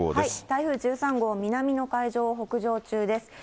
台風１３号、南の海上を北上中です。